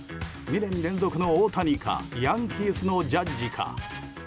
２年連続の大谷かヤンキースのジャッジか。